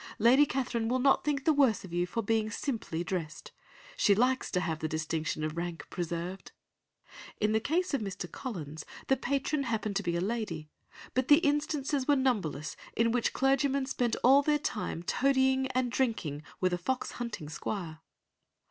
Lady Catherine will not think the worse of you for being simply dressed. She likes to have the distinction of rank preserved.'" In the case of Mr. Collins, the patron happened to be a lady, but the instances were numberless in which clergymen spent all their time toadying and drinking with a fox hunting squire.